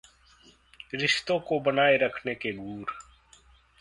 रिश्तों को बनाए रखने के गुर